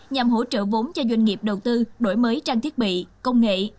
nhằm hỗ trợ vốn cho doanh nghiệp đầu tư đổi mới trang thiết bị công nghệ